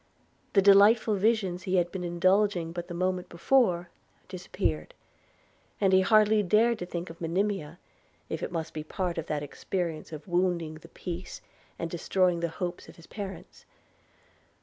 The delightful visions he had been indulging but the moment before, disappeared; and he hardly dared think of Monimia, if it must be at the expence of wounding the peace and destroying the hopes of his parents.